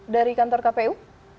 dari kantor kpu